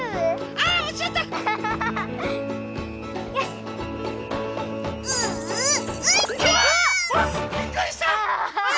あびっくりした！